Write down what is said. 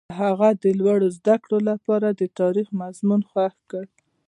هغه د لوړو زده کړو لپاره د تاریخ مضمون خوښ کړ.